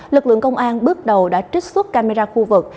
lực lượng công an bước đầu đã trích xuất camera khu vực